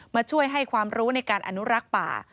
มาช่วยให้ความรู้ในการอนุรักษ์ป่า